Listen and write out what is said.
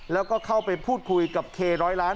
แล้วก็เข้าไปพูดคุยกับเคร้อยล้าน